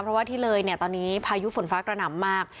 เพราะว่าที่เลยเนี่ยตอนนี้พายุฝนฟ้ากระหน่ำมาก